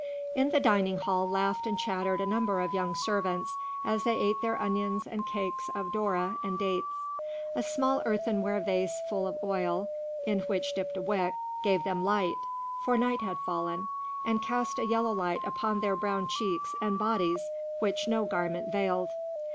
In the dining hall laughed and chattered a number of young servants as they ate their onions and cakes of doora and dates. A small earthenware vase full of oil, in which dipped a wick, gave them light, for night had fallen, and cast a yellow light upon their brown cheeks and bodies which no garment veiled.